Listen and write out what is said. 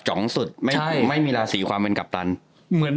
จ๋องสุดใช่ไม่มีราศีความเป็นกัปตันเหมือน